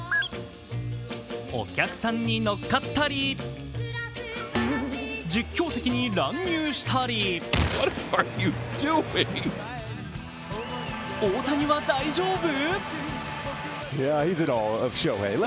お客さんに乗っかったり実況席に乱入したり大谷は大丈夫？